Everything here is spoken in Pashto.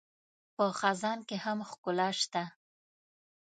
په خزان کې هم ښکلا شته